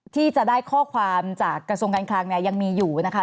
ที่จะได้ข้อความจากกระทรวงการคลังเนี่ยยังมีอยู่นะคะ